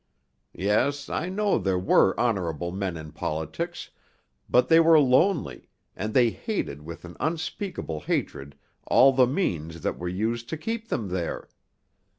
Yes, I know there were honorable men in politics, but they were lonely, and they hated with an unspeakable hatred all the means that were used to keep them there.